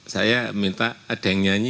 saya minta ada yang nyanyi